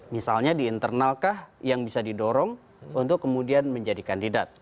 misalnya di internalkah yang bisa didorong untuk kemudian menjadi kandidat